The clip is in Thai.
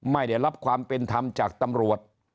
ไม่ได้รับความเป็นธรรมจากตำรวจ